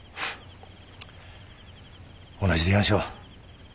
同じでやんしょう。